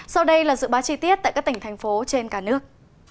sau đây là dự báo chi tiết tại các tỉnh thành phố trên cả nước